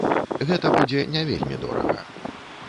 Гэта будзе не вельмі дорага.